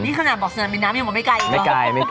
นี่ขนาดบอกสนามบินน้ำยังมาไม่ไกลอีก